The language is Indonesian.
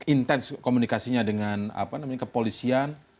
intens komunikasinya dengan kepolisian